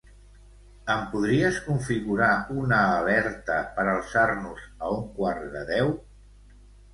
Em podries configurar una alerta per alçar-nos a un quart de deu?